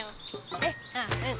えあうん。